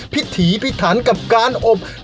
พิถีพิถันกับการอบ